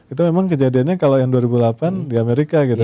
itu memang kejadiannya kalau yang dua ribu delapan di amerika gitu